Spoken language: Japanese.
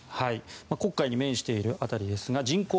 黒海に面している辺りですが人口